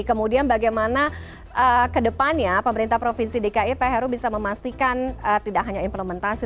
kemudian bagaimana ke depannya pemerintah provinsi dki pahru bisa memastikan tidak hanya implementasi